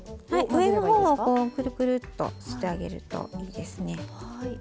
上のほうをくるくるっとしてあげるといいですね。